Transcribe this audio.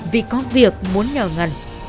vì có việc muốn nhờ ngân